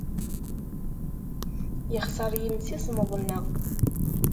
Yexṣer yemsismeḍ-nneɣ.